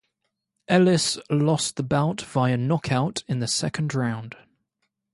Ellis lost the bout via knockout in the second round.